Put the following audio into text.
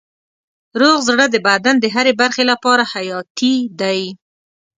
روغ زړه د بدن د هرې برخې لپاره حیاتي دی.